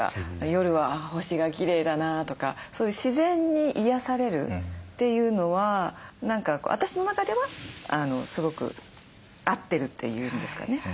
夜は「あ星がきれいだな」とかそういう自然に癒やされるっていうのは何か私の中ではすごく合ってるというんですかね。